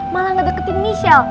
malah gak deketin michelle